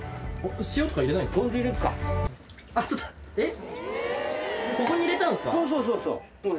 えっ⁉